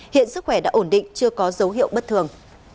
hiện sức khỏe đã ổn định chưa có dấu hiệu bất thường